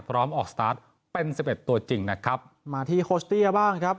พร้อมออกสตาร์ทเป็นสิบเอ็ดตัวจริงนะครับมาที่บ้างนะครับ